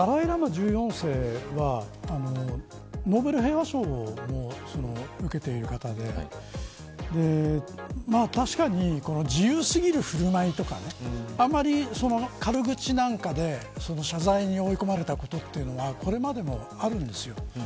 １４世はノーベル平和賞を受けている方で確かに、自由過ぎる振る舞いとかあまり、軽口なんかで謝罪に追い込まれたことはこれまでもあるんです。